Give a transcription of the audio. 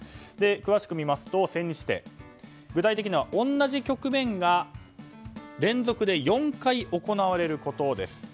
詳しく見ますと、千日手具体的には同じ局面が連続で４回行われることです。